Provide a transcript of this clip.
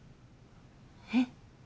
えっ？